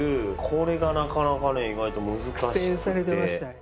これがなかなかね意外と難しくて。